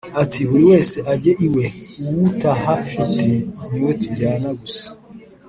ati"buriwese ajye iwe uwutahafite niwe tujyana gusa "